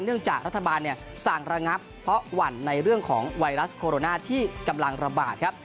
จากรัฐบาลสั่งระงับเพราะหวั่นในเรื่องของไวรัสโคโรนาที่กำลังระบาดครับ